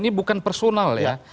ini bukan personal ya